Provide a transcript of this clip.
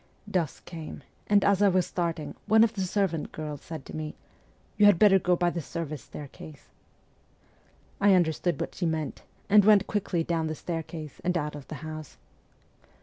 Dusk came, and, as I was starting, one of the servant girls said to me, ' You had better go by the service staircase.' I understood what she meant, and went quickly down the staircase and out of the house.